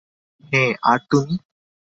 হ্যাঁ, আর তুমি?